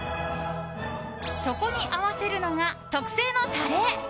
そこに合わせるのが特製のタレ。